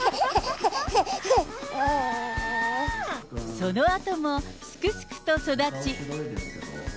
そのあとも、すくすくと育ち。